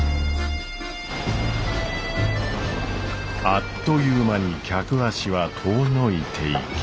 あっという間に客足は遠のいていき。